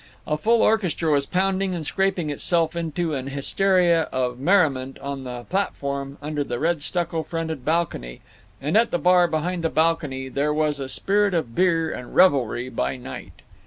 A full orchestra was pounding and scraping itself into an hysteria of merriment on the platform under the red stucco fronted balcony, and at the bar behind the balcony there was a spirit of beer and revelry by night.